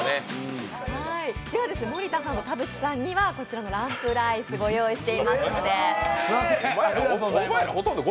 では、森田さんと田渕さんにはこちらのランプライスをご用意しておりますので。